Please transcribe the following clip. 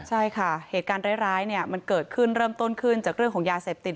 ใช่ค่ะเหตุการณ์ร้ายเนี่ยมันเกิดขึ้นเริ่มต้นขึ้นจากเรื่องของยาเสพติด